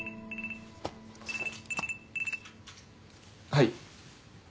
はい。